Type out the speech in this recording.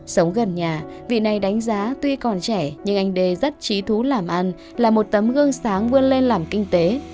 sống gần nhà vị này đánh giá tuy còn trẻ nhưng anh đê rất trí thú làm ăn là một tấm gương sáng vươn lên làm kinh tế